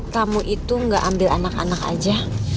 kamu itu gak ambil anak anak aja